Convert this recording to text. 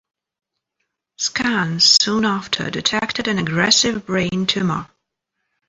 Scans soon after detected an aggressive brain tumour.